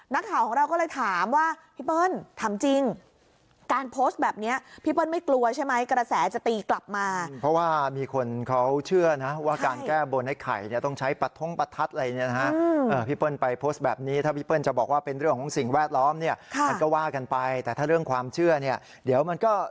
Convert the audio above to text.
นักข่าวของเราก็เลยถามว่าพี่เปิ้ลถามจริงการโพสต์แบบนี้พี่เปิ้ลไม่กลัวใช่ไหมกระแสจะตีกลับมาเพราะว่ามีคนเขาเชื่อนะว่าการแก้บนไอ้ไข่เนี่ยต้องใช้ประท้งประทัดอะไรเนี่ยนะฮะพี่เปิ้ลไปโพสต์แบบนี้ถ้าพี่เปิ้ลจะบอกว่าเป็นเรื่องของสิ่งแวดล้อมเนี่ยมันก็ว่ากันไปแต่ถ้าเรื่องความเชื่อเนี่ยเดี๋ยวมันก็